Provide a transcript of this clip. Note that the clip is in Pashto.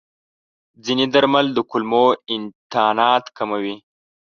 ځینې درمل د کولمو انتانات کموي.